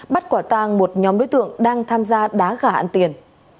bắt quả tàng một nhóm đối tượng đang tham gia đá gà ăn tiền